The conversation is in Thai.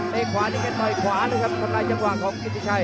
เตะขวานี่แค่ต่อยขวาเลยครับขนาดจำกว่างของกิฟติไชย